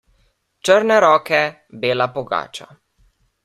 Črne roke, bela pogača.